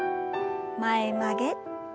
前曲げ。